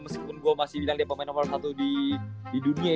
meskipun gue masih bilang dia pemain nomor satu di dunia